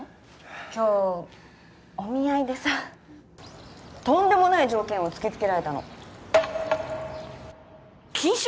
今日お見合いでさとんでもない条件を突きつけられたの禁酒？